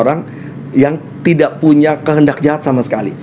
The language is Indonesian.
bukan untuk orang orang yang tidak punya kehendak jahat sama sekali